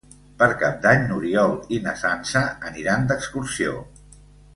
Per Cap d'Any n'Oriol i na Sança aniran d'excursió.